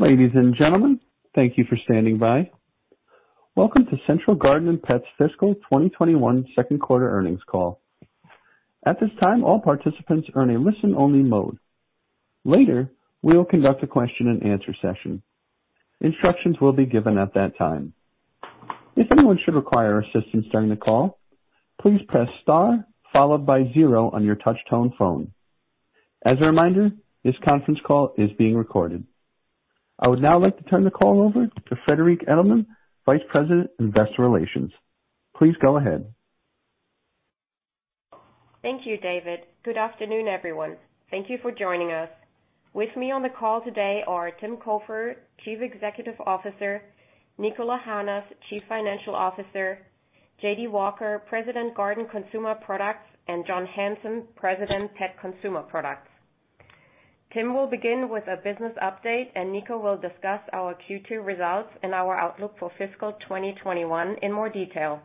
Ladies and gentlemen, thank you for standing by. Welcome to Central Garden & Pet Company's Fiscal 2021 Second Quarter Earnings Call. At this time, all participants are in a listen-only mode. Later, we will conduct a question-and-answer session. Instructions will be given at that time. If anyone should require assistance during the call, please press * followed by 0 on your touch-tone phone. As a reminder, this conference call is being recorded. I would now like to turn the call over to Friederike Edelmann, Vice President, Investor Relations. Please go ahead. Thank you, David. Good afternoon, everyone. Thank you for joining us. With me on the call today are Tim Cofer, Chief Executive Officer; Niko Lahanas, Chief Financial Officer; J.D. Walker, President, Garden Consumer Products; and John Hanson, President, Pet Consumer Products. Tim will begin with a business update, and Niko will discuss our Q2 results and our outlook for fiscal 2021 in more detail.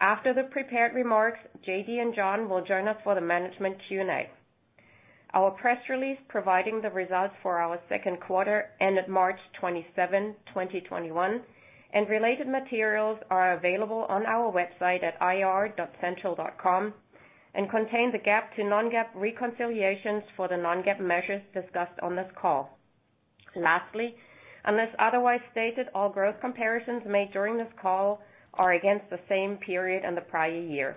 After the prepared remarks, J.D. and John will join us for the management Q&A. Our press release providing the results for our second quarter ended March 27, 2021, and related materials are available on our website at ir.central.com and contain the GAAP to non-GAAP reconciliations for the non-GAAP measures discussed on this call. Lastly, unless otherwise stated, all growth comparisons made during this call are against the same period in the prior year.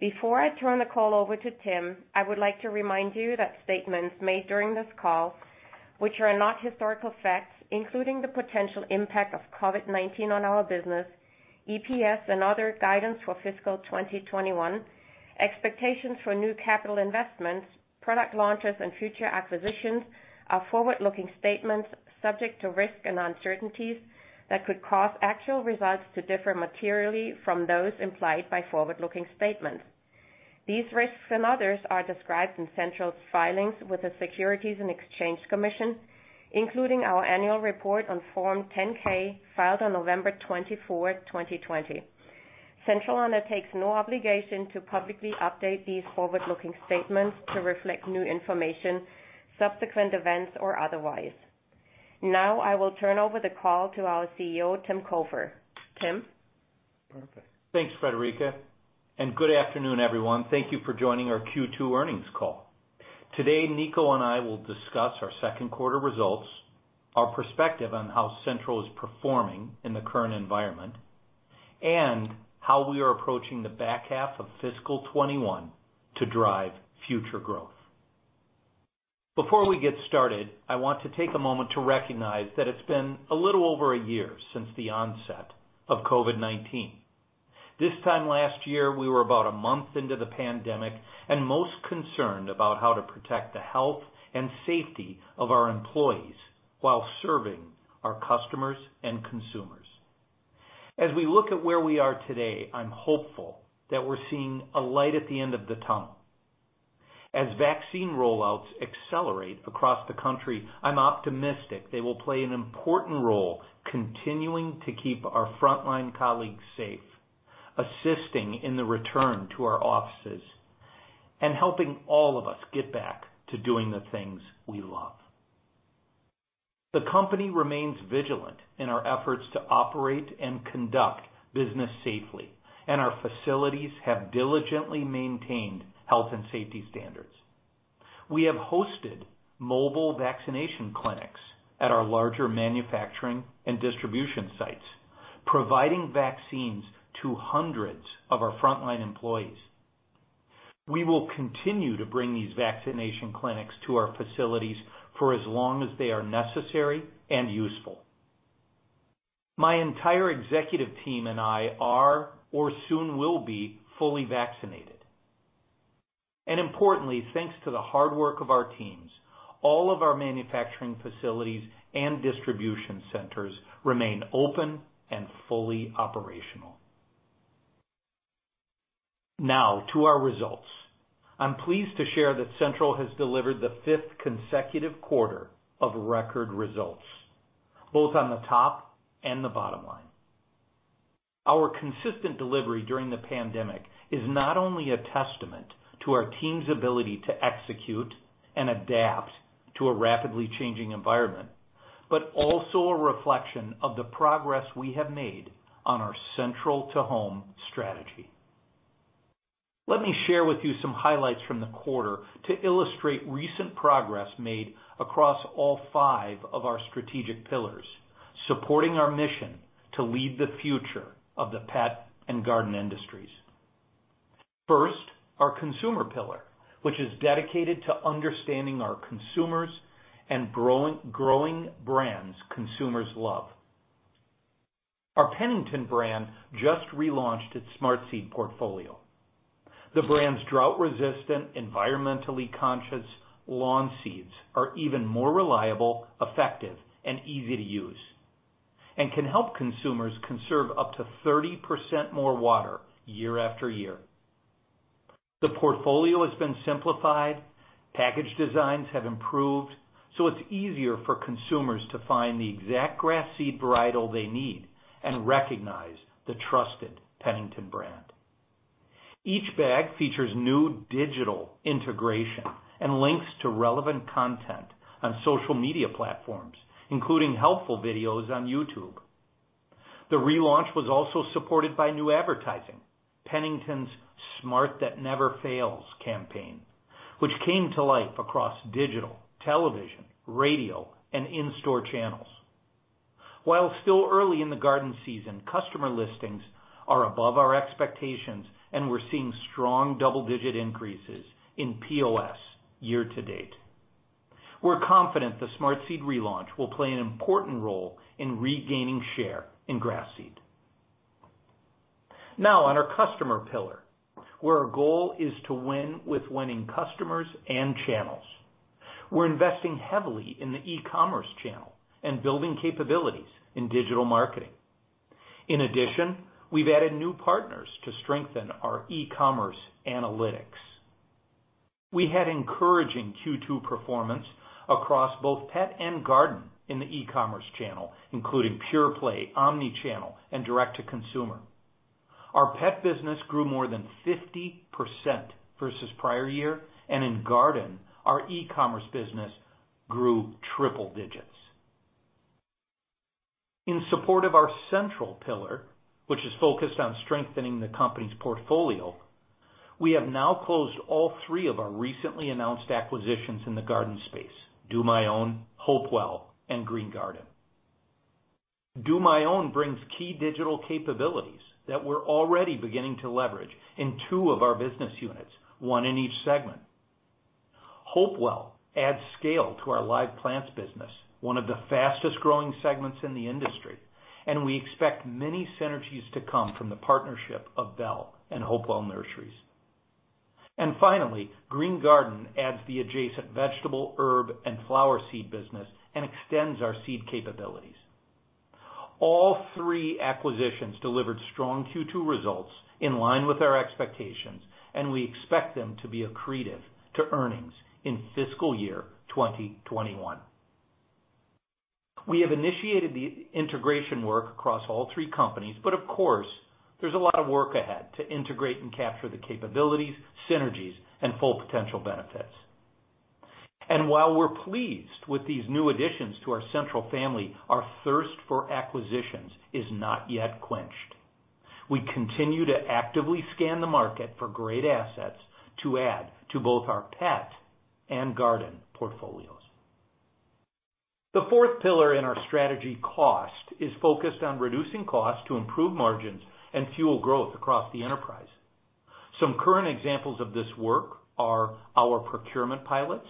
Before I turn the call over to Tim, I would like to remind you that statements made during this call, which are not historical facts, including the potential impact of COVID-19 on our business, EPS, and other guidance for fiscal 2021, expectations for new capital investments, product launches, and future acquisitions are forward-looking statements subject to risk and uncertainties that could cause actual results to differ materially from those implied by forward-looking statements. These risks and others are described in Central's filings with the Securities and Exchange Commission, including our annual report on Form 10-K filed on November 24, 2020. Central undertakes no obligation to publicly update these forward-looking statements to reflect new information, subsequent events, or otherwise. Now, I will turn over the call to our CEO, Tim Cofer. Tim? Perfect. Thanks, Friederike. Good afternoon, everyone. Thank you for joining our Q2 earnings call. Today, Niko and I will discuss our second quarter results, our perspective on how Central is performing in the current environment, and how we are approaching the back half of fiscal 2021 to drive future growth. Before we get started, I want to take a moment to recognize that it's been a little over a year since the onset of COVID-19. This time last year, we were about a month into the pandemic and most concerned about how to protect the health and safety of our employees while serving our customers and consumers. As we look at where we are today, I'm hopeful that we're seeing a light at the end of the tunnel. As vaccine rollouts accelerate across the country, I'm optimistic they will play an important role continuing to keep our frontline colleagues safe, assisting in the return to our offices, and helping all of us get back to doing the things we love. The company remains vigilant in our efforts to operate and conduct business safely, and our facilities have diligently maintained health and safety standards. We have hosted mobile vaccination clinics at our larger manufacturing and distribution sites, providing vaccines to hundreds of our frontline employees. We will continue to bring these vaccination clinics to our facilities for as long as they are necessary and useful. My entire executive team and I are, or soon will be, fully vaccinated. Importantly, thanks to the hard work of our teams, all of our manufacturing facilities and distribution centers remain open and fully operational. Now, to our results. I'm pleased to share that Central has delivered the fifth consecutive quarter of record results, both on the top and the bottom line. Our consistent delivery during the pandemic is not only a testament to our team's ability to execute and adapt to a rapidly changing environment, but also a reflection of the progress we have made on our central-to-home strategy. Let me share with you some highlights from the quarter to illustrate recent progress made across all five of our strategic pillars, supporting our mission to lead the future of the pet and garden industries. First, our consumer pillar, which is dedicated to understanding our consumers and growing brands consumers love. Our Pennington brand just relaunched its Smart Seed portfolio. The brand's drought-resistant, environmentally conscious lawn seeds are even more reliable, effective, and easy to use, and can help consumers conserve up to 30% more water year-after-year. The portfolio has been simplified, package designs have improved, so it's easier for consumers to find the exact grass seed varietal they need and recognize the trusted Pennington brand. Each bag features new digital integration and links to relevant content on social media platforms, including helpful videos on YouTube. The relaunch was also supported by new advertising, Pennington's Smart That Never Fails campaign, which came to life across digital, television, radio, and in-store channels. While still early in the garden season, customer listings are above our expectations, and we're seeing strong double-digit increases in POS year-to-date. We're confident the Smart Seed relaunch will play an important role in regaining share in grass seed. Now, on our customer pillar, where our goal is to win with winning customers and channels. We're investing heavily in the e-commerce channel and building capabilities in digital marketing. In addition, we've added new partners to strengthen our e-commerce analytics. We had encouraging Q2 performance across both pet and garden in the e-commerce channel, including pure play omni-channel, and direct-to-consumer. Our pet business grew more than 50% versus prior year, and in garden, our e-commerce business grew triple digits. In support of our Central pillar, which is focused on strengthening the company's portfolio, we have now closed all three of our recently announced acquisitions in the garden space: DoMyOwn, Hopewell, and Green Garden. DoMyOwn brings key digital capabilities that we're already beginning to leverage in two of our business units, one in each segment. Hopewell adds scale to our live plants business, one of the fastest-growing segments in the industry, and we expect many synergies to come from the partnership of Bell and Hopewell Nurseries. Finally, Green Garden adds the adjacent vegetable, herb, and flower seed business and extends our seed capabilities. All three acquisitions delivered strong Q2 results in line with our expectations, and we expect them to be accretive to earnings in fiscal year 2021. We have initiated the integration work across all three companies, of course, there is a lot of work ahead to integrate and capture the capabilities, synergies, and full potential benefits. While we are pleased with these new additions to our Central family, our thirst for acquisitions is not yet quenched. We continue to actively scan the market for great assets to add to both our pet and garden portfolios. The fourth pillar in our strategy, cost, is focused on reducing costs to improve margins and fuel growth across the enterprise. Some current examples of this work are our procurement pilots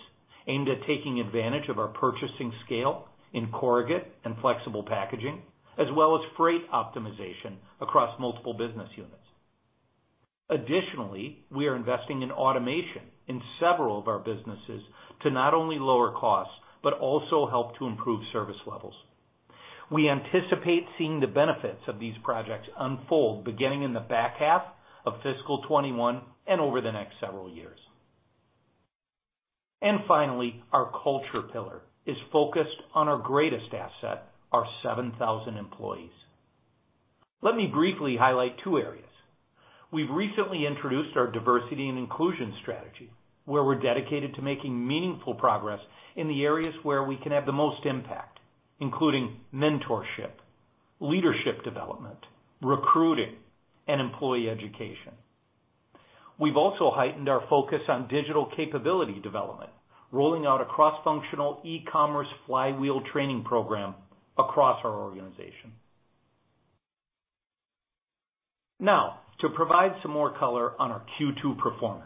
aimed at taking advantage of our purchasing scale in corrugate and flexible packaging, as well as freight optimization across multiple business units. Additionally, we are investing in automation in several of our businesses to not only lower costs but also help to improve service levels. We anticipate seeing the benefits of these projects unfold beginning in the back half of fiscal 2021 and over the next several years. Finally, our culture pillar is focused on our greatest asset, our 7,000 employees. Let me briefly highlight two areas. We have recently introduced our diversity and inclusion strategy, where we are dedicated to making meaningful progress in the areas where we can have the most impact, including mentorship, leadership development, recruiting, and employee education. We've also heightened our focus on digital capability development, rolling out a cross-functional e-commerce flywheel training program across our organization. Now, to provide some more color on our Q2 performance,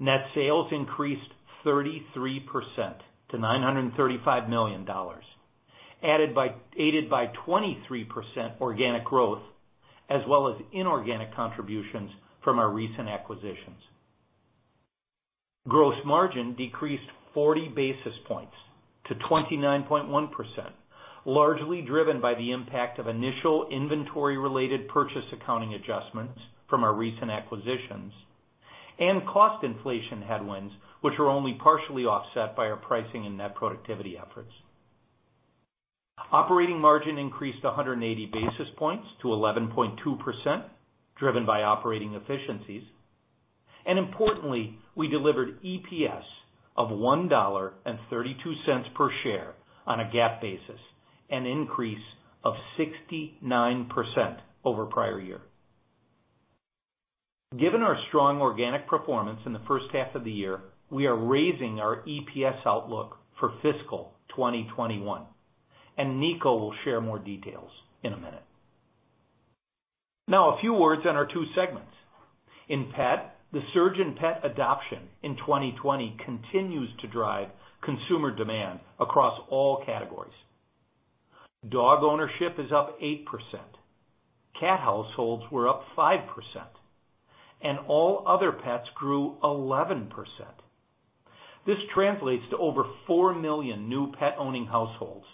net sales increased 33% to $935 million, aided by 23% organic growth, as well as inorganic contributions from our recent acquisitions. Gross margin decreased 40 basis points to 29.1%, largely driven by the impact of initial inventory-related purchase accounting adjustments from our recent acquisitions and cost inflation headwinds, which are only partially offset by our pricing and net productivity efforts. Operating margin increased 180 basis points to 11.2%, driven by operating efficiencies. Importantly, we delivered EPS of $1.32 per share on a GAAP basis, an increase of 69% over prior year. Given our strong organic performance in the first half of the year, we are raising our EPS outlook for fiscal 2021, and Niko will share more details in a minute. Now, a few words on our two segments. In pet, the surge in pet adoption in 2020 continues to drive consumer demand across all categories. Dog ownership is up 8%. Cat households were up 5%, and all other pets grew 11%. This translates to over 4 million new pet-owning households,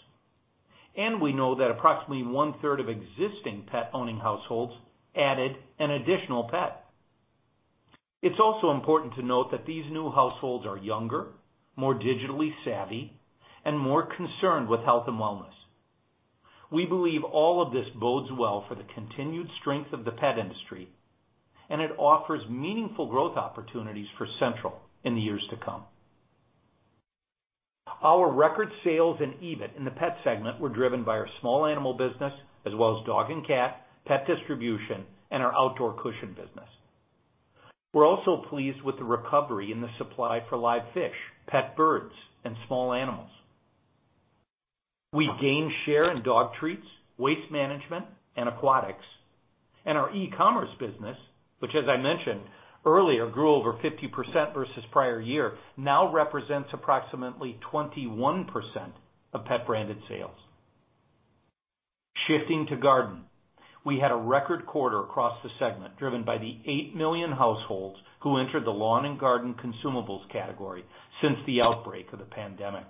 and we know that approximately one-third of existing pet-owning households added an additional pet. It's also important to note that these new households are younger, more digitally savvy, and more concerned with health and wellness. We believe all of this bodes well for the continued strength of the pet industry, and it offers meaningful growth opportunities for Central in the years to come. Our record sales and EBIT in the pet segment were driven by our small animal business, as well as dog and cat, pet distribution, and our outdoor cushion business. We are also pleased with the recovery in the supply for live fish, pet birds, and small animals. We gained share in dog treats, waste management, and aquatics, and our e-commerce business, which, as I mentioned earlier, grew over 50% versus prior year, now represents approximately 21% of pet-branded sales. Shifting to garden, we had a record quarter across the segment driven by the 8 million households who entered the lawn and garden consumables category since the outbreak of the pandemic.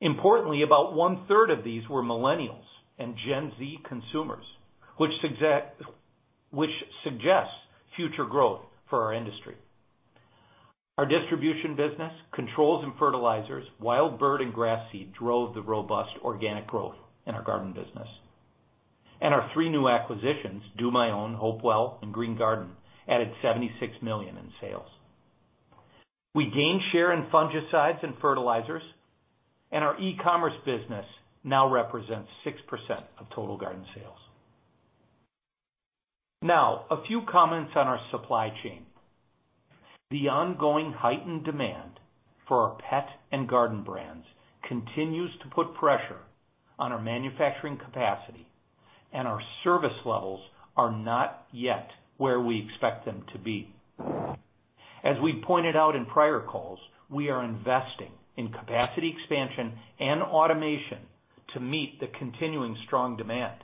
Importantly, about one-third of these were millennials and Gen Z consumers, which suggests future growth for our industry. Our distribution business, controls and fertilizers, wild bird, and grass seed drove the robust organic growth in our garden business. Our three new acquisitions, DoMyOwn, Hopewell, and Green Garden, added $76 million in sales. We gained share in fungicides and fertilizers, and our e-commerce business now represents 6% of total garden sales. Now, a few comments on our supply chain. The ongoing heightened demand for our pet and garden brands continues to put pressure on our manufacturing capacity, and our service levels are not yet where we expect them to be. As we pointed out in prior calls, we are investing in capacity expansion and automation to meet the continuing strong demand.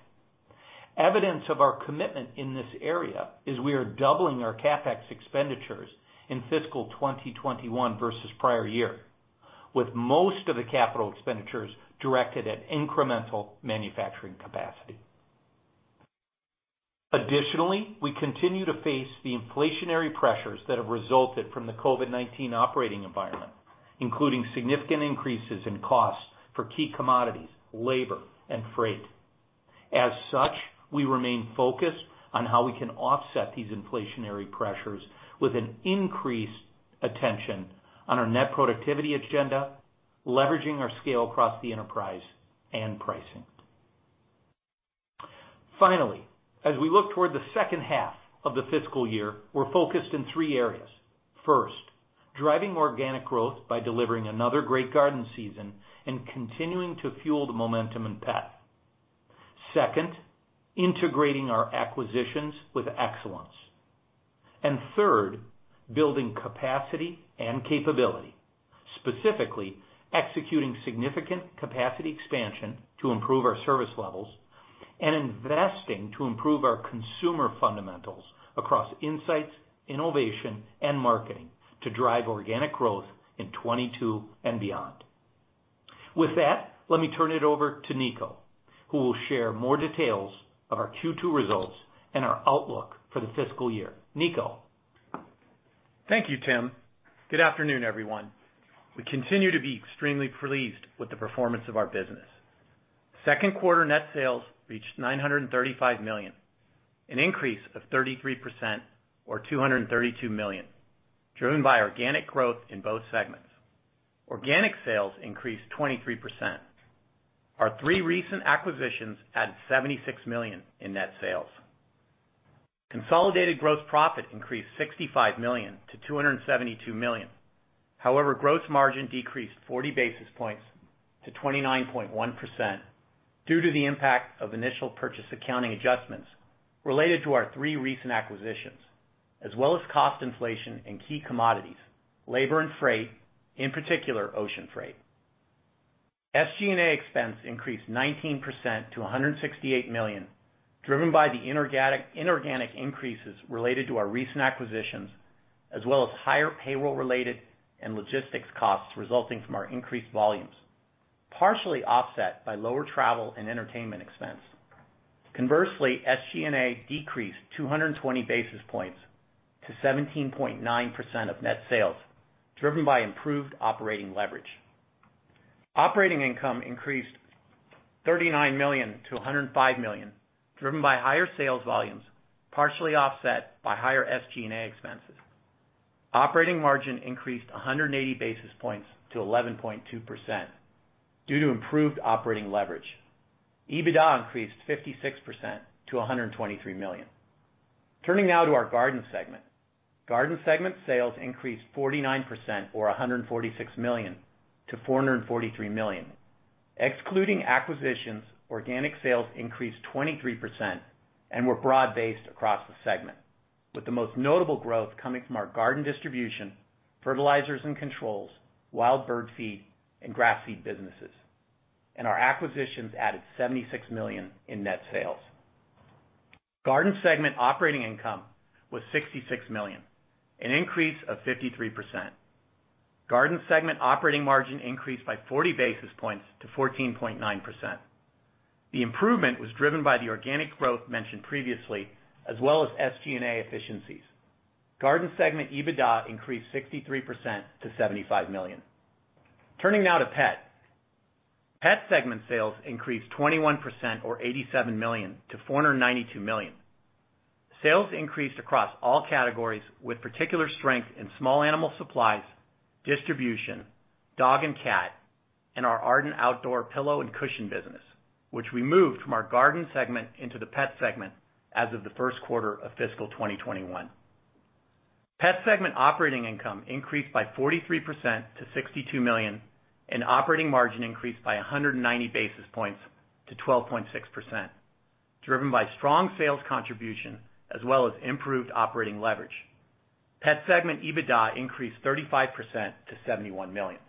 Evidence of our commitment in this area is we are doubling our CapEx expenditures in fiscal 2021 versus prior year, with most of the capital expenditures directed at incremental manufacturing capacity. Additionally, we continue to face the inflationary pressures that have resulted from the COVID-19 operating environment, including significant increases in costs for key commodities, labor, and freight. As such, we remain focused on how we can offset these inflationary pressures with an increased attention on our net productivity agenda, leveraging our scale across the enterprise and pricing. Finally, as we look toward the second half of the fiscal year, we're focused in three areas. First, driving organic growth by delivering another great garden season and continuing to fuel the momentum in pet. Second, integrating our acquisitions with excellence. Third, building capacity and capability, specifically executing significant capacity expansion to improve our service levels and investing to improve our consumer fundamentals across insights, innovation, and marketing to drive organic growth in 2022 and beyond. With that, let me turn it over to Niko, who will share more details of our Q2 results and our outlook for the fiscal year. Niko? Thank you, Tim. Good afternoon, everyone. We continue to be extremely pleased with the performance of our business. Second quarter net sales reached $935 million, an increase of 33% or $232 million, driven by organic growth in both segments. Organic sales increased 23%. Our three recent acquisitions added $76 million in net sales. Consolidated gross profit increased $65 million to $272 million. However, gross margin decreased 40 basis points to 29.1% due to the impact of initial purchase accounting adjustments related to our three recent acquisitions, as well as cost inflation in key commodities, labor and freight, in particular, ocean freight. SG&A expense increased 19% to $168 million, driven by the inorganic increases related to our recent acquisitions, as well as higher payroll-related and logistics costs resulting from our increased volumes, partially offset by lower travel and entertainment expense. Conversely, SG&A decreased 220 basis points to 17.9% of net sales, driven by improved operating leverage. Operating income increased $39 million to $105 million, driven by higher sales volumes, partially offset by higher SG&A expenses. Operating margin increased 180 basis points to 11.2% due to improved operating leverage. EBITDA increased 56% to $123 million. Turning now to our garden segment. Garden segment sales increased 49% or $146 million to $443 million. Excluding acquisitions, organic sales increased 23% and were broad-based across the segment, with the most notable growth coming from our garden distribution, fertilizers and controls, wild bird feed, and grass seed businesses. Our acquisitions added $76 million in net sales. Garden segment operating income was $66 million, an increase of 53%. Garden segment operating margin increased by 40 basis points to 14.9%. The improvement was driven by the organic growth mentioned previously, as well as SG&A efficiencies. Garden segment EBITDA increased 63% to $75 million. Turning now to pet. Pet segment sales increased 21% or $87 million to $492 million. Sales increased across all categories with particular strength in small animal supplies, distribution, dog and cat, and our art and outdoor pillow and cushion business, which we moved from our garden segment into the pet segment as of the first quarter of fiscal 2021. Pet segment operating income increased by 43% to $62 million, and operating margin increased by 190 basis points to 12.6%, driven by strong sales contribution as well as improved operating leverage. Pet segment EBITDA increased 35% to $71 million.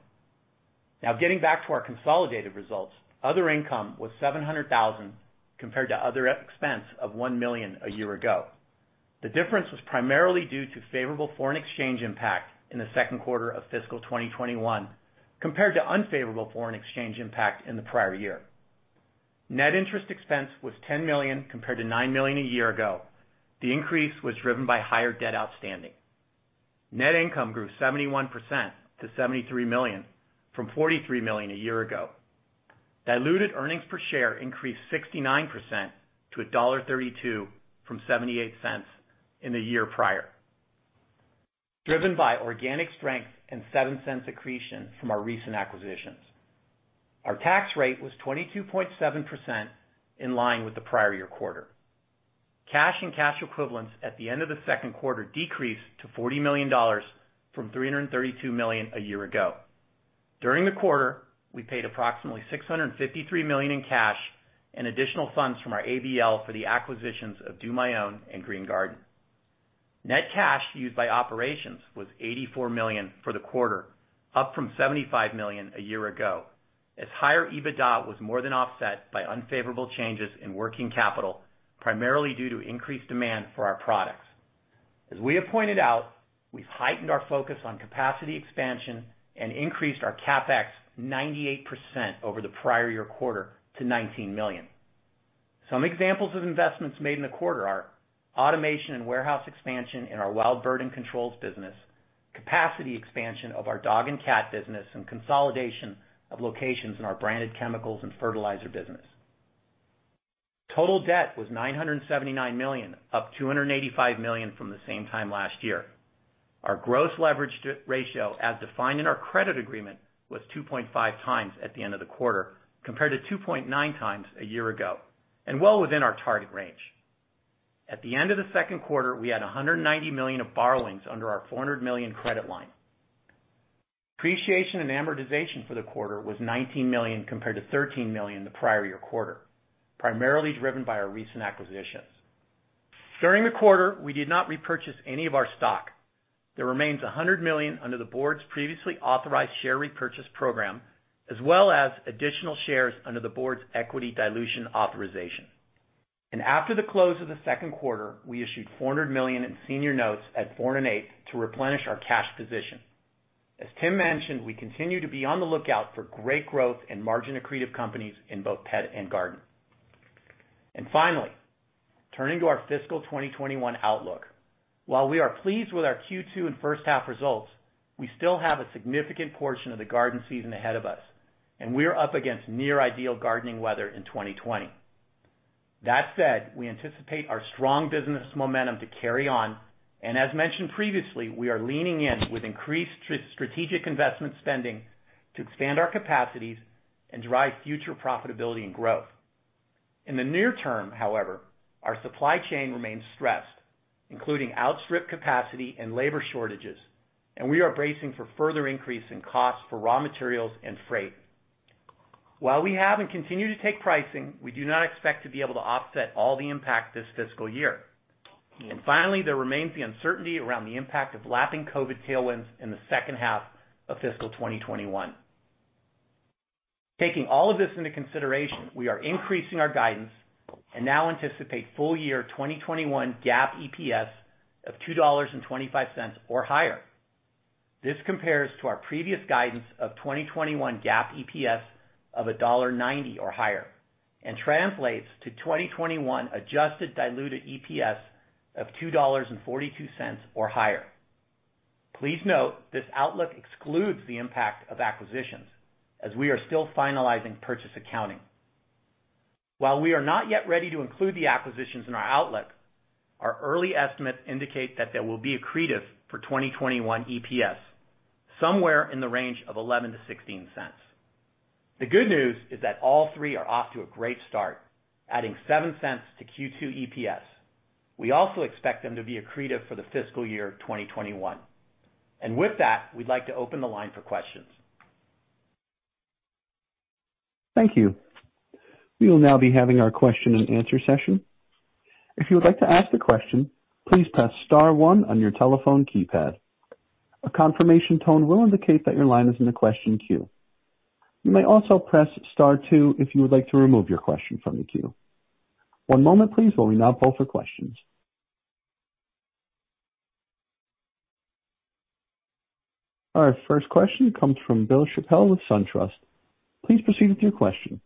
Now, getting back to our consolidated results, other income was $700,000 compared to other expense of $1 million a year ago. The difference was primarily due to favorable foreign exchange impact in the second quarter of fiscal 2021 compared to unfavorable foreign exchange impact in the prior year. Net interest expense was $10 million compared to $9 million a year ago. The increase was driven by higher debt outstanding. Net income grew 71% to $73 million from $43 million a year ago. Diluted earnings per share increased 69% to $1.32 from $0.78 in the year prior, driven by organic strength and $0.07 accretion from our recent acquisitions. Our tax rate was 22.7% in line with the prior year quarter. Cash and cash equivalents at the end of the second quarter decreased to $40 million from $332 million a year ago. During the quarter, we paid approximately $653 million in cash and additional funds from our ABL for the acquisitions of DoMyOwn and Green Garden. Net cash used by operations was $84 million for the quarter, up from $75 million a year ago, as higher EBITDA was more than offset by unfavorable changes in working capital, primarily due to increased demand for our products. As we have pointed out, we've heightened our focus on capacity expansion and increased our CapEx 98% over the prior year quarter to $19 million. Some examples of investments made in the quarter are automation and warehouse expansion in our wild bird and controls business, capacity expansion of our dog and cat business, and consolidation of locations in our branded chemicals and fertilizer business. Total debt was $979 million, up $285 million from the same time last year. Our gross leverage ratio, as defined in our credit agreement, was 2.5 times at the end of the quarter compared to 2.9 times a year ago and well within our target range. At the end of the second quarter, we had $190 million of borrowings under our $400 million credit line. Appreciation and amortization for the quarter was $19 million compared to $13 million the prior year quarter, primarily driven by our recent acquisitions. During the quarter, we did not repurchase any of our stock. There remains $100 million under the board's previously authorized share repurchase program, as well as additional shares under the board's equity dilution authorization. After the close of the second quarter, we issued $400 million in senior notes at 4 and 8 to replenish our cash position. As Tim mentioned, we continue to be on the lookout for great growth and margin accretive companies in both pet and garden. Finally, turning to our fiscal 2021 outlook, while we are pleased with our Q2 and first half results, we still have a significant portion of the garden season ahead of us, and we are up against near ideal gardening weather in 2020. That said, we anticipate our strong business momentum to carry on, and as mentioned previously, we are leaning in with increased strategic investment spending to expand our capacities and drive future profitability and growth. In the near term, however, our supply chain remains stressed, including outstripped capacity and labor shortages, and we are bracing for further increase in costs for raw materials and freight. While we have and continue to take pricing, we do not expect to be able to offset all the impact this fiscal year. Finally, there remains the uncertainty around the impact of lapping COVID tailwinds in the second half of fiscal 2021. Taking all of this into consideration, we are increasing our guidance and now anticipate full year 2021 GAAP EPS of $2.25 or higher. This compares to our previous guidance of 2021 GAAP EPS of $1.90 or higher and translates to 2021 adjusted diluted EPS of $2.42 or higher. Please note this outlook excludes the impact of acquisitions as we are still finalizing purchase accounting. While we are not yet ready to include the acquisitions in our outlook, our early estimates indicate that they will be accretive for 2021 EPS, somewhere in the range of $0.11-$0.16. The good news is that all three are off to a great start, adding 7 cents to Q2 EPS. We also expect them to be accretive for the fiscal year 2021. With that, we'd like to open the line for questions. Thank you. We will now be having our question and answer session. If you would like to ask a question, please press * 1 on your telephone keypad. A confirmation tone will indicate that your line is in the question queue. You may also press * 2 if you would like to remove your question from the queue. One moment, please, while we now pull for questions. All right. First question comes from Bill Chappell with SunTrust. Please proceed with your question.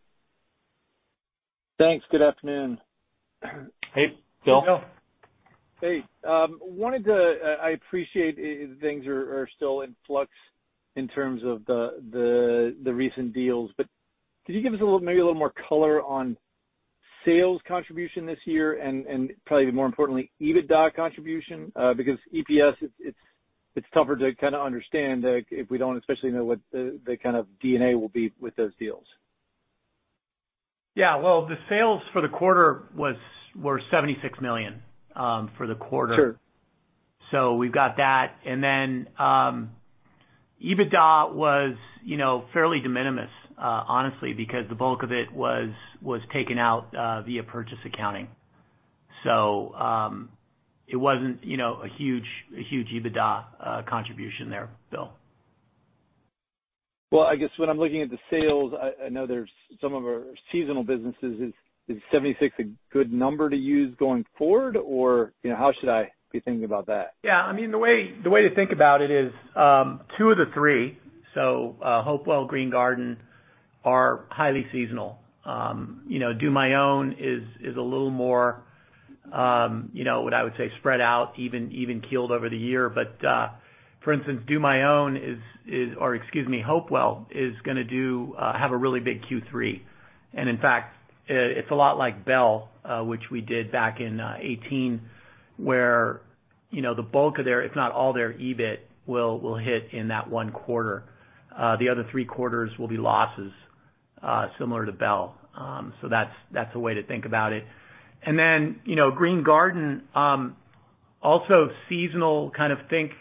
Thanks. Good afternoon. Hey, Bill. Hey, Bill. Hey. I appreciate things are still in flux in terms of the recent deals, but could you give us maybe a little more color on sales contribution this year and probably more importantly, EBITDA contribution? Because EPS, it's tougher to kind of understand if we don't especially know what the kind of D&A will be with those deals. Yeah. The sales for the quarter were $76 million for the quarter. So we've got that. And then EBITDA was fairly de minimis, honestly, because the bulk of it was taken out via purchase accounting. It wasn't a huge EBITDA contribution there, Bill. I guess when I'm looking at the sales, I know there's some of our seasonal businesses. Is $76 million a good number to use going forward, or how should I be thinking about that? Yeah. I mean, the way to think about it is two of the three, so Hopewell, Green Garden, are highly seasonal. DoMyOwn is a little more, what I would say, spread out, even keeled over the year. For instance, DoMyOwn, or excuse me, Hopewell, is going to have a really big Q3. In fact, it is a lot like Bell, which we did back in 2018, where the bulk of their, if not all their EBIT, will hit in that one quarter. The other three quarters will be losses, similar to Bell. That is a way to think about it. Green Garden, also seasonal, kind of think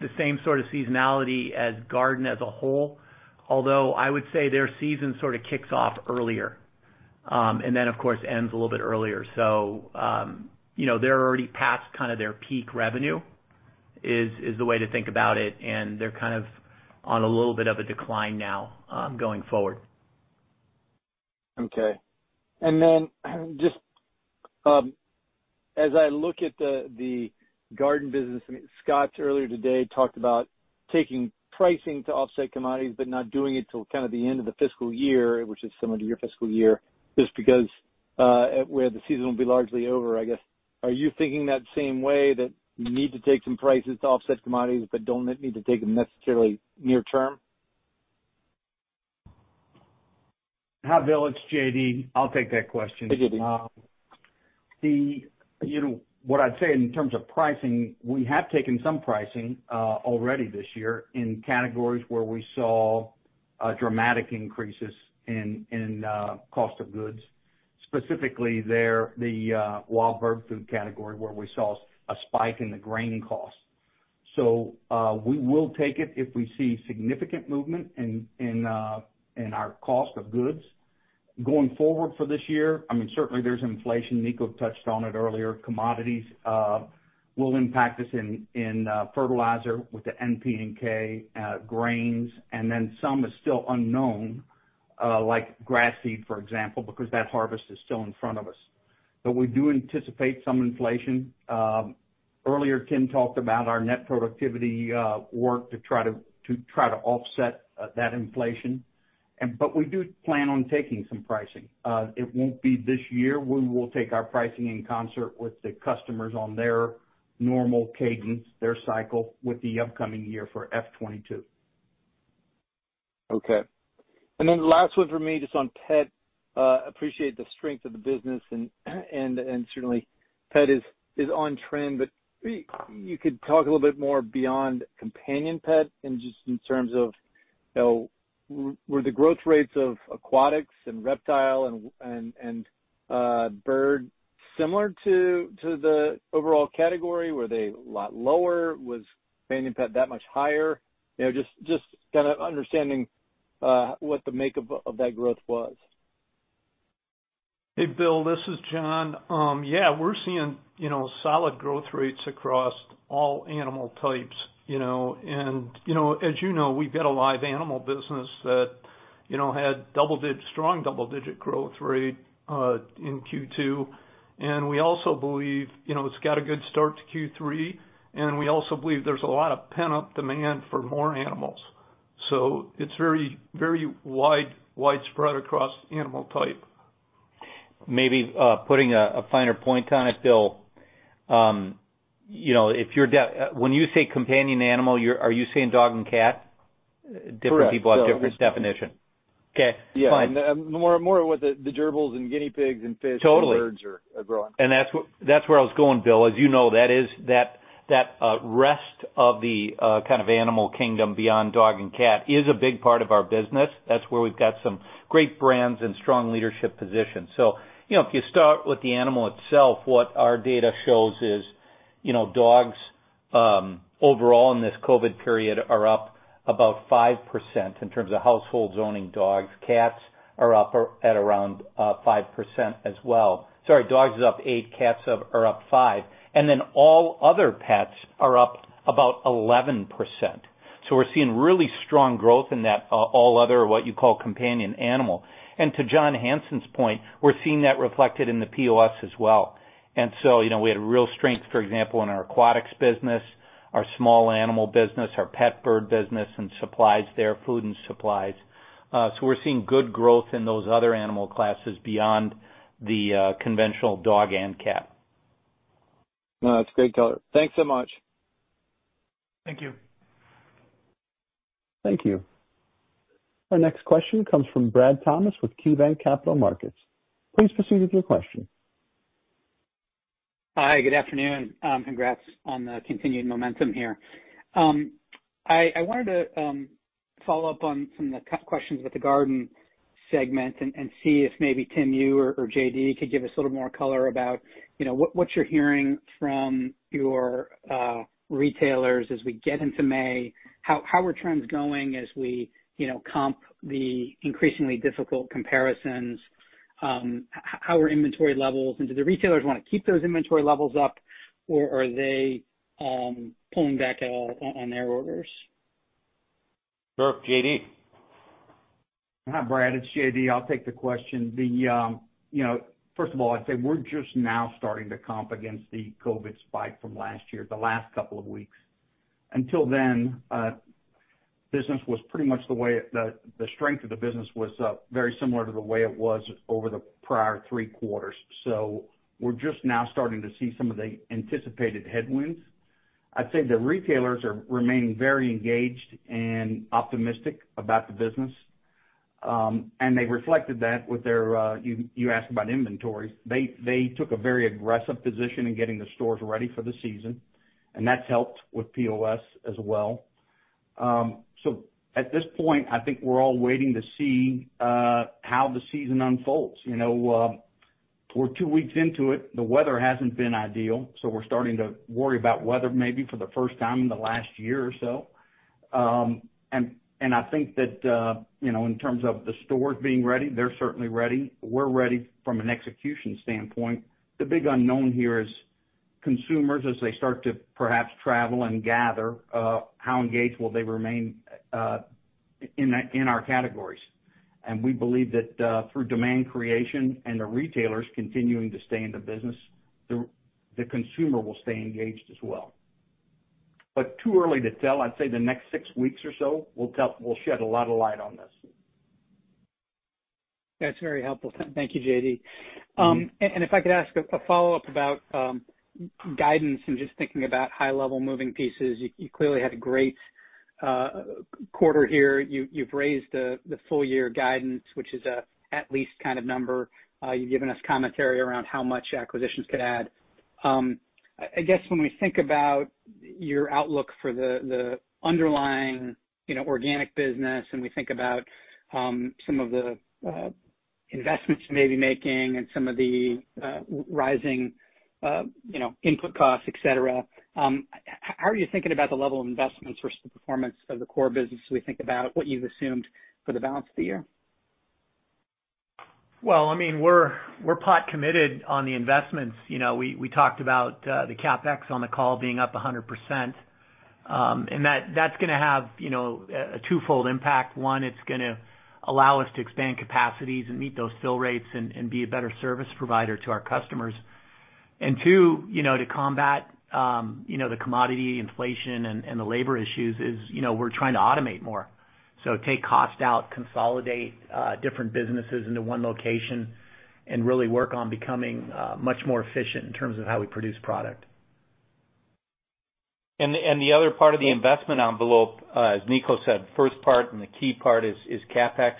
the same sort of seasonality as Garden as a whole, although I would say their season sort of kicks off earlier and then, of course, ends a little bit earlier. They're already past kind of their peak revenue is the way to think about it, and they're kind of on a little bit of a decline now going forward. Okay. Just as I look at the garden business, Scott earlier today talked about taking pricing to offset commodities but not doing it till kind of the end of the fiscal year, which is similar to your fiscal year, just because where the season will be largely over, I guess. Are you thinking that same way, that you need to take some prices to offset commodities but do not need to take them necessarily near term? Hi, Bill. It's J.D.. I'll take that question. Hey, J.D.. What I'd say in terms of pricing, we have taken some pricing already this year in categories where we saw dramatic increases in cost of goods, specifically the wild bird food category where we saw a spike in the grain cost. We will take it if we see significant movement in our cost of goods going forward for this year. I mean, certainly there's inflation. Niko touched on it earlier. Commodities will impact us in fertilizer with the N, P and K grains, and then some is still unknown, like grass seed, for example, because that harvest is still in front of us. We do anticipate some inflation. Earlier, Tim talked about our net productivity work to try to offset that inflation. We do plan on taking some pricing. It won't be this year. We will take our pricing in concert with the customers on their normal cadence, their cycle with the upcoming year for F '22. Okay. The last one for me, just on pet, appreciate the strength of the business, and certainly pet is on trend, but you could talk a little bit more beyond companion pet and just in terms of were the growth rates of aquatics and reptile and bird similar to the overall category? Were they a lot lower? Was companion pet that much higher? Just kind of understanding what the makeup of that growth was. Hey, Bill, this is John. Yeah, we're seeing solid growth rates across all animal types. As you know, we've got a live animal business that had strong double-digit growth rate in Q2. We also believe it's got a good start to Q3. We also believe there is a lot of pent-up demand for more animals. It is very widespread across animal type. Maybe putting a finer point on it, Bill, when you say companion animal, are you saying dog and cat? Different people have different definitions. Okay. Fine. More with the gerbils and guinea pigs and fish and birds are growing. Totally. That is where I was going, Bill. As you know, that rest of the kind of animal kingdom beyond dog and cat is a big part of our business. That is where we have some great brands and strong leadership positions. If you start with the animal itself, what our data shows is dogs overall in this COVID period are up about 5% in terms of households owning dogs. Cats are up at around 5% as well. Sorry, dogs are up 8%, cats are up 5%. All other pets are up about 11%. We are seeing really strong growth in that all other, what you call companion animal. To John Hanson's point, we are seeing that reflected in the POS as well. We had real strength, for example, in our aquatics business, our small animal business, our pet bird business, and supplies there, food and supplies. We are seeing good growth in those other animal classes beyond the conventional dog and cat. That is great color. Thanks so much. Thank you. Thank you. Our next question comes from Brad Thomas with KeyBanc Capital Markets. Please proceed with your question. Hi. Good afternoon. Congrats on the continued momentum here. I wanted to follow up on some of the questions about the garden segment and see if maybe Tim, you or J.D. could give us a little more color about what you're hearing from your retailers as we get into May, how are trends going as we comp the increasingly difficult comparisons, how are inventory levels? Do the retailers want to keep those inventory levels up, or are they pulling back at all on their orders? Sure. J.D.? Hi, Brad. It's J.D.. I'll take the question. First of all, I'd say we're just now starting to comp against the COVID spike from last year, the last couple of weeks. Until then, business was pretty much the way the strength of the business was very similar to the way it was over the prior three quarters. We're just now starting to see some of the anticipated headwinds. I'd say the retailers are remaining very engaged and optimistic about the business. They reflected that with their—you asked about inventory. They took a very aggressive position in getting the stores ready for the season, and that's helped with POS as well. At this point, I think we're all waiting to see how the season unfolds. We're two weeks into it. The weather hasn't been ideal, so we're starting to worry about weather maybe for the first time in the last year or so. I think that in terms of the stores being ready, they're certainly ready. We're ready from an execution standpoint. The big unknown here is consumers, as they start to perhaps travel and gather, how engaged will they remain in our categories? We believe that through demand creation and the retailers continuing to stay in the business, the consumer will stay engaged as well. It is too early to tell. I would say the next six weeks or so will shed a lot of light on this. That is very helpful. Thank you, J.D. If I could ask a follow-up about guidance and just thinking about high-level moving pieces, you clearly had a great quarter here. You have raised the full-year guidance, which is an at-least kind of number. You have given us commentary around how much acquisitions could add. I guess when we think about your outlook for the underlying organic business and we think about some of the investments maybe making and some of the rising input costs, etc., how are you thinking about the level of investments versus the performance of the core business as we think about what you've assumed for the balance of the year? I mean, we're pot-committed on the investments. We talked about the CapEx on the call being up 100%. That is going to have a twofold impact. One, it's going to allow us to expand capacities and meet those fill rates and be a better service provider to our customers. Two, to combat the commodity inflation and the labor issues is we're trying to automate more. Take cost out, consolidate different businesses into one location, and really work on becoming much more efficient in terms of how we produce product. The other part of the investment envelope, as Niko said, first part and the key part is CapEx.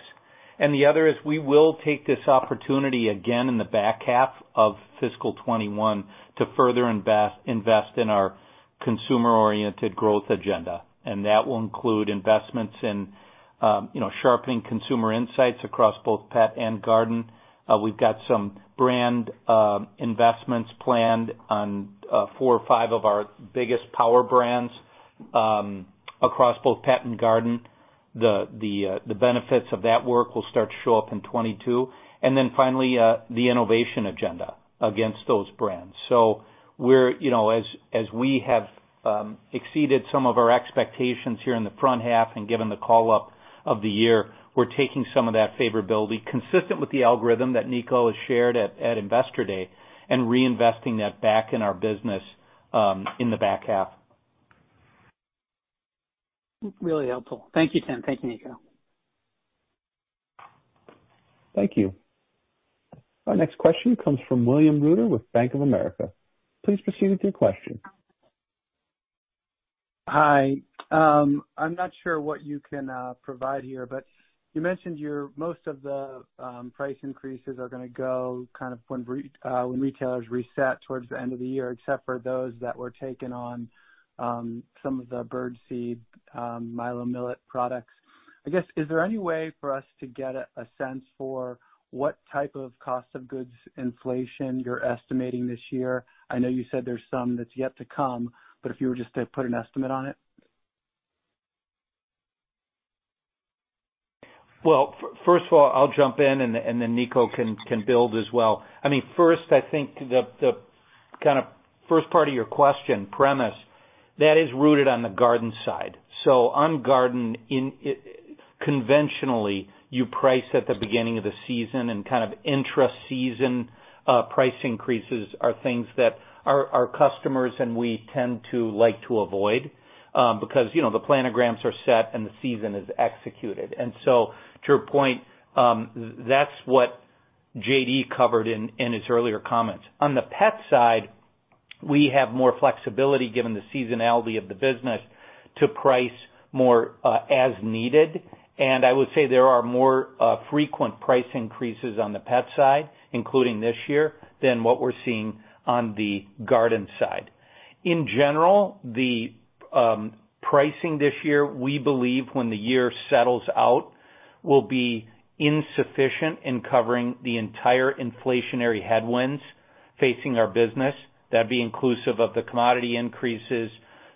The other is we will take this opportunity again in the back half of fiscal 2021 to further invest in our consumer-oriented growth agenda. That will include investments in sharpening consumer insights across both pet and garden. We have some brand investments planned on four or five of our biggest power brands across both pet and garden. The benefits of that work will start to show up in 2022. Finally, the innovation agenda against those brands. As we have exceeded some of our expectations here in the front half and given the call-up of the year, we're taking some of that favorability consistent with the algorithm that Niko has shared at Investor Day and reinvesting that back in our business in the back half. Really helpful. Thank you, Tim. Thank you, Niko. Thank you. Our next question comes from William Reuter with Bank of America. Please proceed with your question. Hi. I'm not sure what you can provide here, but you mentioned most of the price increases are going to go kind of when retailers reset towards the end of the year, except for those that were taken on some of the bird seed, Milo Millet products. I guess, is there any way for us to get a sense for what type of cost of goods inflation you're estimating this year? I know you said there's some that's yet to come, but if you were just to put an estimate on it. First of all, I'll jump in, and then Niko can build as well. I mean, first, I think the kind of first part of your question, premise, that is rooted on the garden side. On garden, conventionally, you price at the beginning of the season, and kind of intra-season price increases are things that our customers and we tend to like to avoid because the planograms are set and the season is executed. To your point, that's what J.D. covered in his earlier comments. On the pet side, we have more flexibility given the seasonality of the business to price more as needed. There are more frequent price increases on the pet side, including this year, than what we're seeing on the garden side. In general, the pricing this year, we believe when the year settles out, will be insufficient in covering the entire inflationary headwinds facing our business. That would be inclusive of the commodity increases,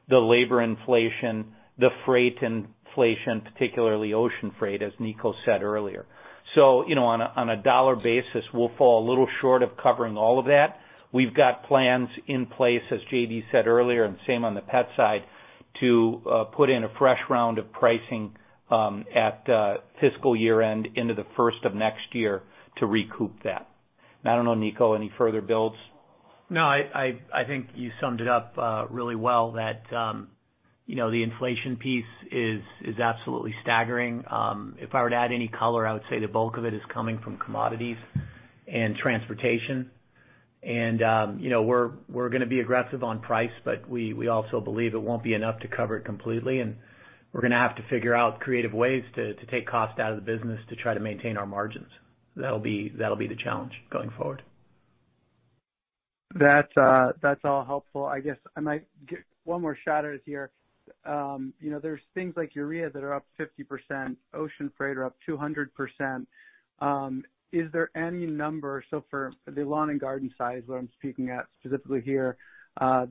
the labor inflation, the freight inflation, particularly ocean freight, as Niko said earlier. On a dollar basis, we'll fall a little short of covering all of that. We've got plans in place, as J.D. said earlier, and same on the pet side, to put in a fresh round of pricing at fiscal year-end into the first of next year to recoup that. I don't know, Niko, any further builds? No, I think you summed it up really well that the inflation piece is absolutely staggering. If I were to add any color, I would say the bulk of it is coming from commodities and transportation. We're going to be aggressive on price, but we also believe it won't be enough to cover it completely. We're going to have to figure out creative ways to take cost out of the business to try to maintain our margins. That'll be the challenge going forward. That's all helpful. I guess I might get one more shot at it here. There's things like urea that are up 50%. Ocean freight are up 200%. Is there any number? For the lawn and garden size that I'm speaking at specifically here,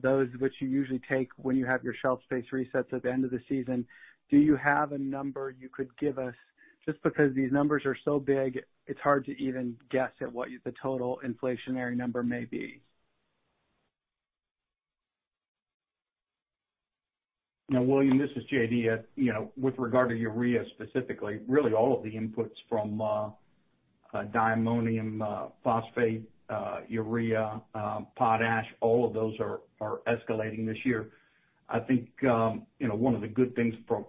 those which you usually take when you have your shelf space resets at the end of the season, do you have a number you could give us? Just because these numbers are so big, it's hard to even guess at what the total inflationary number may be. Now, William, this is J.D. with regard to urea specifically. Really, all of the inputs from diammonium, phosphate, urea, potash, all of those are escalating this year. I think one of the good things from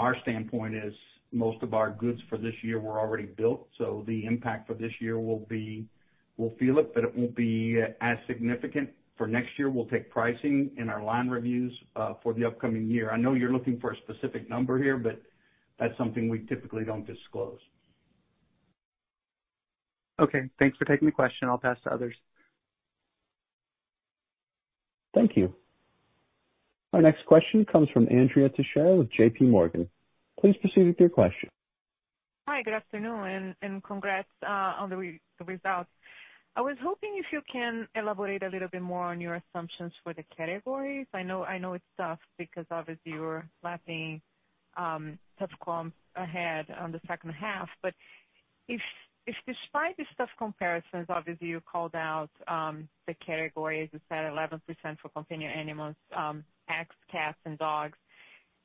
our standpoint is most of our goods for this year were already built. So the impact for this year will feel it, but it won't be as significant. For next year, we'll take pricing in our line reviews for the upcoming year. I know you're looking for a specific number here, but that's something we typically don't disclose. Okay. Thanks for taking the question. I'll pass to others. Thank you. Our next question comes from Andrea Teixeira with JPMorgan. Please proceed with your question. Hi. Good afternoon. And congrats on the results. I was hoping if you can elaborate a little bit more on your assumptions for the categories. I know it's tough because obviously you're lapping tough comps ahead on the second half. If despite the tough comparisons, obviously you called out the category, as you said, 11% for companion animals, pets, cats, and dogs.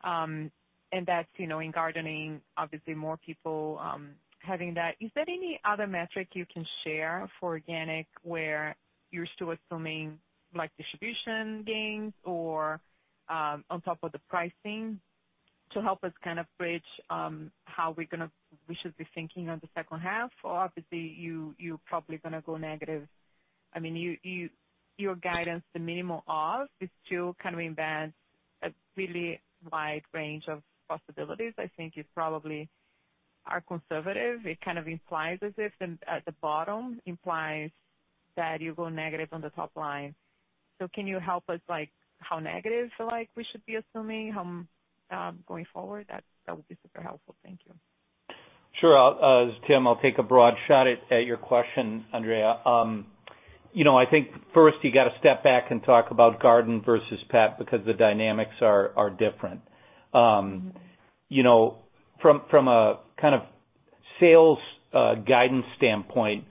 That's in gardening, obviously more people having that. Is there any other metric you can share for organic where you're still assuming distribution gains or on top of the pricing to help us kind of bridge how we should be thinking on the second half? Obviously you're probably going to go negative. I mean, your guidance, the minimum of, is still kind of embeds a really wide range of possibilities. I think you probably are conservative.It kind of implies as if at the bottom implies that you go negative on the top line. Can you help us how negative we should be assuming going forward? That would be super helpful. Thank you. Sure. This is Tim, I'll take a broad shot at your question, Andrea. I think first you got to step back and talk about garden versus pet because the dynamics are different. From a kind of sales guidance standpoint,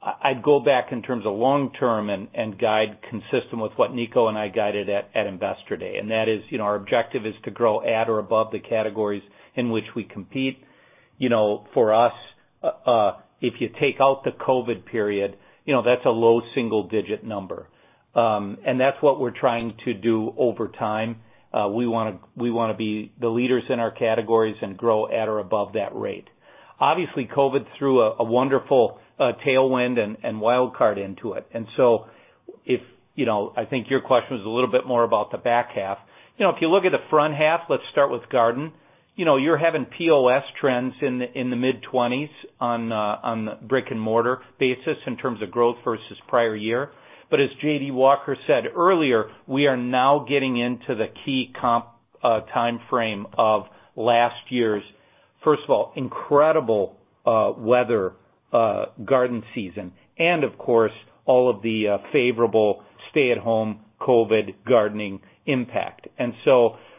I'd go back in terms of long-term and guide consistent with what Niko and I guided at Investor Day. That is our objective is to grow at or above the categories in which we compete. For us, if you take out the COVID period, that's a low single-digit number. That's what we're trying to do over time. We want to be the leaders in our categories and grow at or above that rate. Obviously, COVID threw a wonderful tailwind and wildcard into it. If I think your question was a little bit more about the back half, if you look at the front half, let's start with garden. You're having POS trends in the mid-20s on a brick-and-mortar basis in terms of growth versus prior year. As J.D. Walker said earlier, we are now getting into the key comp timeframe of last year's, first of all, incredible weather garden season. Of course, all of the favorable stay-at-home COVID gardening impact.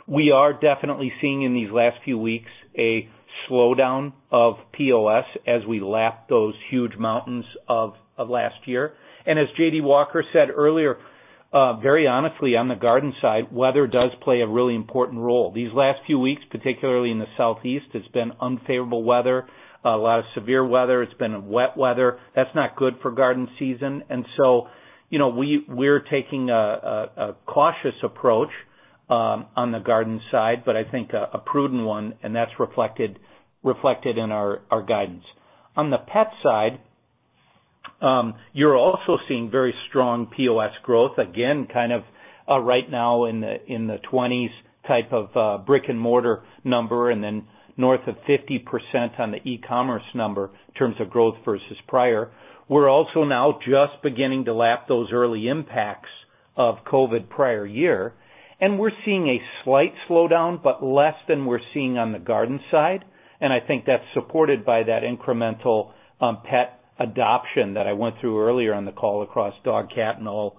We are definitely seeing in these last few weeks a slowdown of POS as we lap those huge mountains of last year. As J.D. Walker said earlier, very honestly, on the garden side, weather does play a really important role. These last few weeks, particularly in the southeast, it's been unfavorable weather, a lot of severe weather. It's been wet weather. That's not good for garden season. We're taking a cautious approach on the garden side, but I think a prudent one, and that's reflected in our guidance. On the pet side, you're also seeing very strong POS growth. Again, kind of right now in the 20s type of brick-and-mortar number and then north of 50% on the e-commerce number in terms of growth versus prior. We're also now just beginning to lap those early impacts of COVID prior year. We're seeing a slight slowdown, but less than we're seeing on the garden side. I think that's supported by that incremental pet adoption that I went through earlier on the call across dog, cat, and all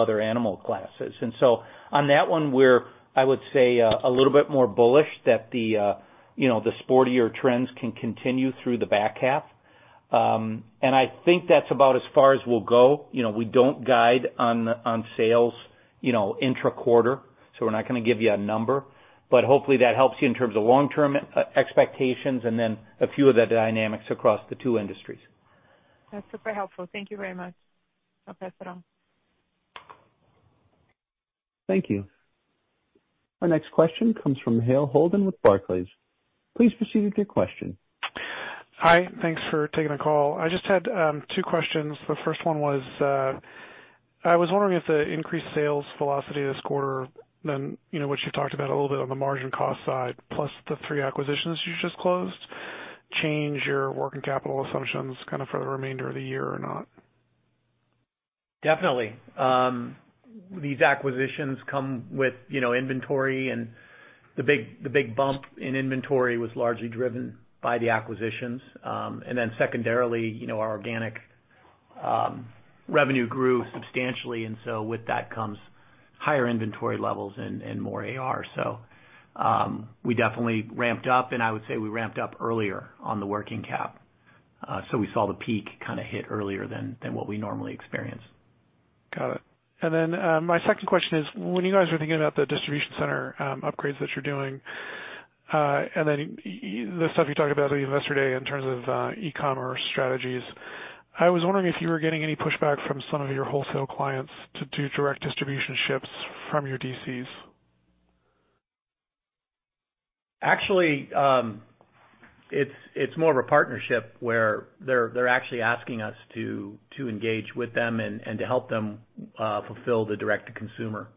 other animal classes. On that one, we're, I would say, a little bit more bullish that the sportier trends can continue through the back half. I think that's about as far as we'll go. We don't guide on sales intra-quarter, so we're not going to give you a number. Hopefully that helps you in terms of long-term expectations and then a few of the dynamics across the two industries. That's super helpful. Thank you very much. No press at all. Thank you. Our next question comes from Hale Holden with Barclays. Please proceed with your question. Hi. Thanks for taking the call. I just had two questions. The first one was I was wondering if the increased sales velocity this quarter than what you talked about a little bit on the margin cost side, plus the three acquisitions you just closed, change your working capital assumptions kind of for the remainder of the year or not? Definitely. These acquisitions come with inventory, and the big bump in inventory was largely driven by the acquisitions. Secondarily, our organic revenue grew substantially. With that comes higher inventory levels and more AR. We definitely ramped up, and I would say we ramped up earlier on the working cap. We saw the peak kind of hit earlier than what we normally experience. Got it. My second question is, when you guys are thinking about the distribution center upgrades that you're doing and the stuff you talked about at Investor Day in terms of e-commerce strategies, I was wondering if you were getting any pushback from some of your wholesale clients to do direct distribution ships from your DCs? Actually, it's more of a partnership where they're actually asking us to engage with them and to help them fulfill the direct-to-consumer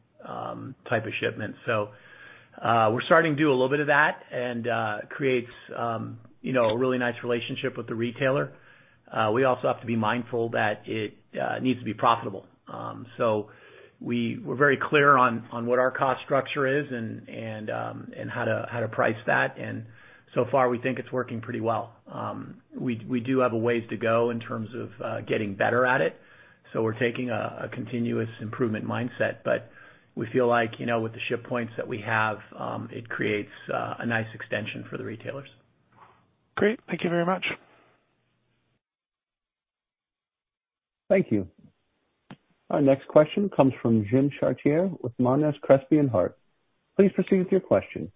type of shipment. We're starting to do a little bit of that, and it creates a really nice relationship with the retailer. We also have to be mindful that it needs to be profitable. We're very clear on what our cost structure is and how to price that. So far, we think it's working pretty well. We do have a ways to go in terms of getting better at it. We are taking a continuous improvement mindset. We feel like with the ship points that we have, it creates a nice extension for the retailers. Great. Thank you very much. Thank you. Our next question comes from Jim Chartier with Monness Crespi Hardt. Please proceed with your question.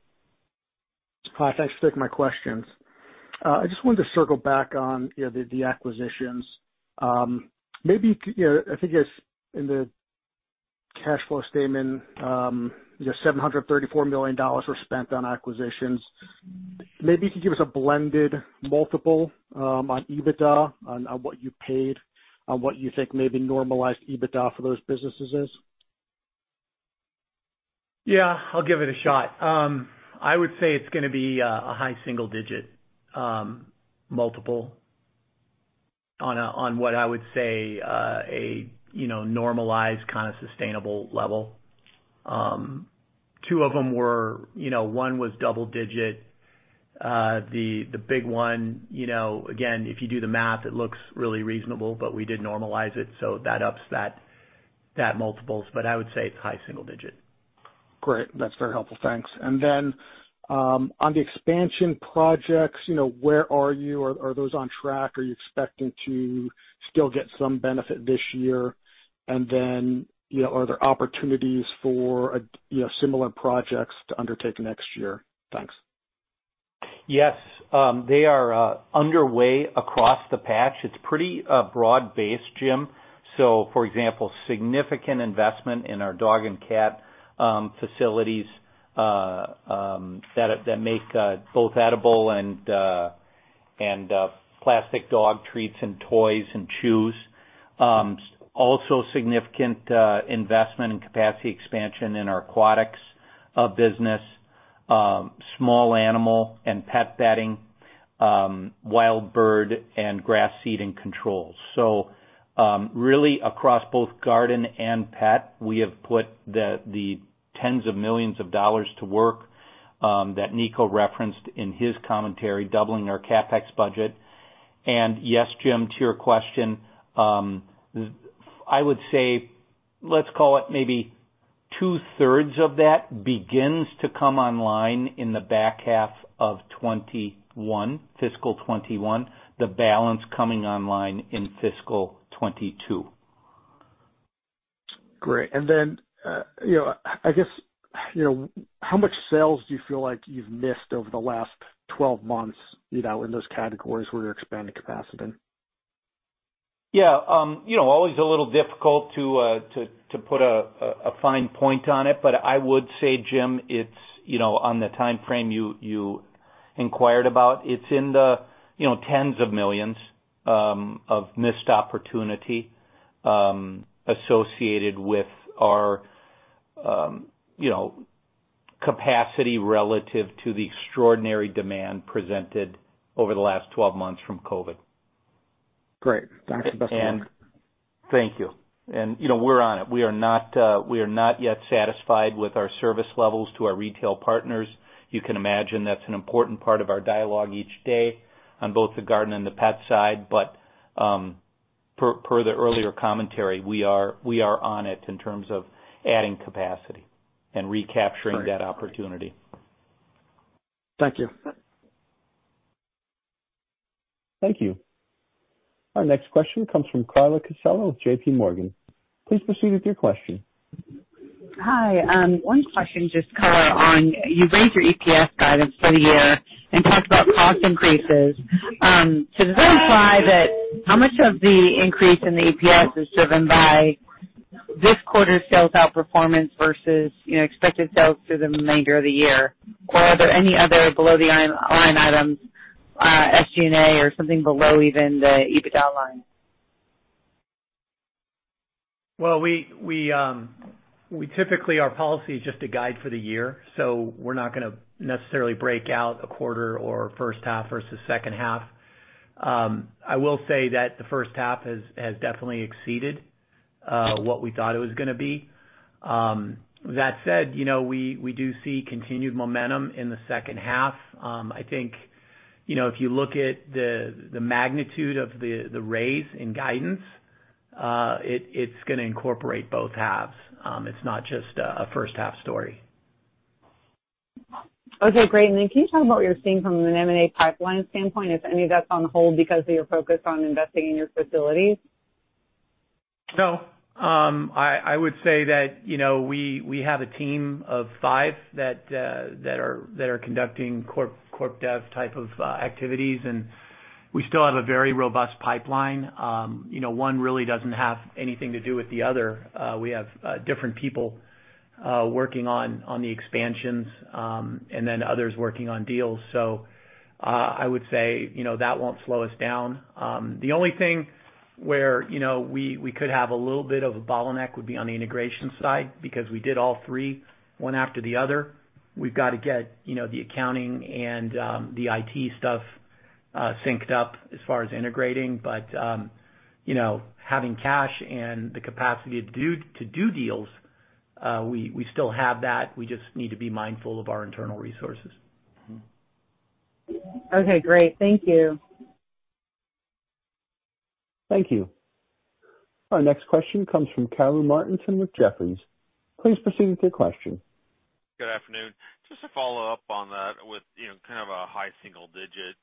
Hi. Thanks for taking my questions. I just wanted to circle back on the acquisitions. Maybe I think in the cash flow statement, $734 million were spent on acquisitions. Maybe you could give us a blended multiple on EBITDA on what you paid, on what you think maybe normalized EBITDA for those businesses is? Yeah. I'll give it a shot. I would say it's going to be a high single-digit multiple on what I would say a normalized kind of sustainable level. Two of them were, one was double-digit. The big one, again, if you do the math, it looks really reasonable, but we did normalize it. That ups that multiples. I would say it is high single-digit. Great. That is very helpful. Thanks. On the expansion projects, where are you? Are those on track? Are you expecting to still get some benefit this year? Are there opportunities for similar projects to undertake next year? Thanks. Yes. They are underway across the patch. It is pretty broad-based, Jim. For example, significant investment in our dog and cat facilities that make both edible and plastic dog treats and toys and chews. Also significant investment and capacity expansion in our aquatics business, small animal and pet bedding, wild bird and grass seed and controls. Really across both garden and pet, we have put the tens of millions of dollars to work that Niko referenced in his commentary, doubling our CapEx budget. Yes, Jim, to your question, I would say let's call it maybe two-thirds of that begins to come online in the back half of fiscal 2021, the balance coming online in fiscal '22. Great. I guess how much sales do you feel like you've missed over the last 12 months in those categories where you're expanding capacity? Always a little difficult to put a fine point on it. I would say, Jim, it's on the timeframe you inquired about. It's in the tens of millions of missed opportunity associated with our capacity relative to the extraordinary demand presented over the last 12 months from COVID. Great. Thanks, Mr. Holden. Thank you. We're on it. We are not yet satisfied with our service levels to our retail partners. You can imagine that's an important part of our dialogue each day on both the garden and the pet side. Per the earlier commentary, we are on it in terms of adding capacity and recapturing that opportunity. Thank you. Thank you. Our next question comes from Carla Casella with JPMorgan. Please proceed with your question. Hi. One question, just color on. You raised your EPS guidance for the year and talked about cost increases. Does that imply that how much of the increase in the EPS is driven by this quarter's sales outperformance versus expected sales through the remainder of the year? Are there any other below-the-line items, SG&A, or something below even the EBITDA line? Typically our policy is just to guide for the year. We're not going to necessarily break out a quarter or first half versus second half. I will say that the first half has definitely exceeded what we thought it was going to be. That said, we do see continued momentum in the second half. I think if you look at the magnitude of the raise in guidance, it's going to incorporate both halves. It's not just a first-half story. Okay. Great. Can you talk about what you're seeing from an M&A pipeline standpoint? Is any of that on hold because of your focus on investing in your facilities? No. I would say that we have a team of five that are conducting corp dev type of activities. We still have a very robust pipeline. One really doesn't have anything to do with the other. We have different people working on the expansions and then others working on deals. I would say that will not slow us down. The only thing where we could have a little bit of a bottleneck would be on the integration side because we did all three one after the other. We have to get the accounting and the IT stuff synced up as far as integrating. Having cash and the capacity to do deals, we still have that. We just need to be mindful of our internal resources. Okay. Great. Thank you. Thank you. Our next question comes from Karru Martinson with Jefferies. Please proceed with your question. Good afternoon. Just to follow up on that with kind of a high single-digit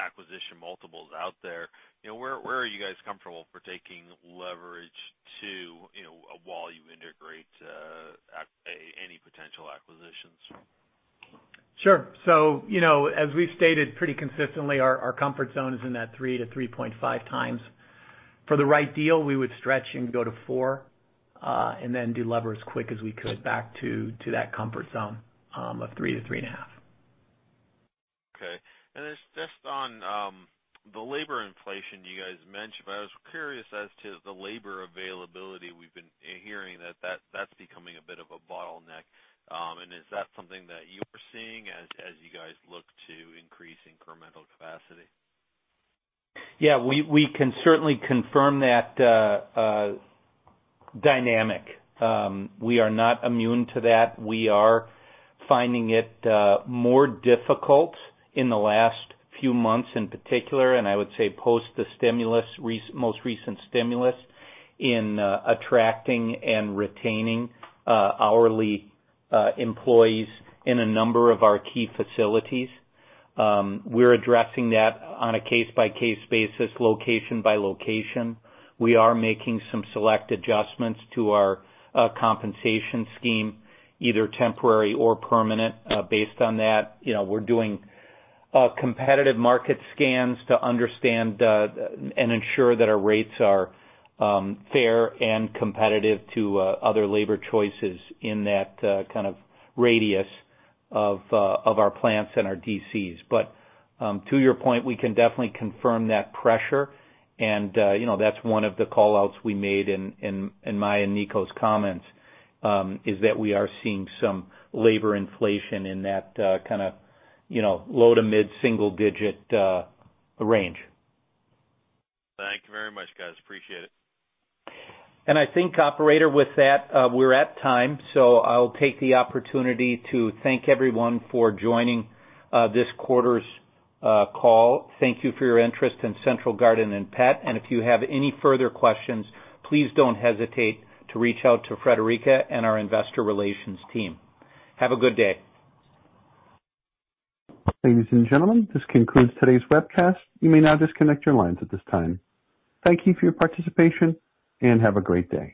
acquisition multiples out there, where are you guys comfortable partaking leverage to while you integrate any potential acquisitions? Sure. As we have stated pretty consistently, our comfort zone is in that 3 to 3.5 times. For the right deal, we would stretch and go to 4 and then do leverage as quick as we could back to that comfort zone of 3-3.5. Okay. Just on the labor inflation you guys mentioned, I was curious as to the labor availability. We have been hearing that is becoming a bit of a bottleneck. Is that something that you are seeing as you guys look to increase incremental capacity? Yeah. We can certainly confirm that dynamic. We are not immune to that. We are finding it more difficult in the last few months in particular, and I would say post the most recent stimulus in attracting and retaining hourly employees in a number of our key facilities. We are addressing that on a case-by-case basis, location by location. We are making some select adjustments to our compensation scheme, either temporary or permanent based on that. We are doing competitive market scans to understand and ensure that our rates are fair and competitive to other labor choices in that kind of radius of our plants and our DCs. To your point, we can definitely confirm that pressure. That is one of the callouts we made in my and Niko's comments, that we are seeing some labor inflation in that kind of low to mid single-digit range. Thank you very much, guys. Appreciate it. I think, operator, with that, we are at time. I will take the opportunity to thank everyone for joining this quarter's call. Thank you for your interest in Central Garden & Pet. If you have any further questions, please do not hesitate to reach out to Friederike and our investor relations team. Have a good day. Ladies and gentlemen, this concludes today's webcast. You may now disconnect your lines at this time. Thank you for your participation and have a great day.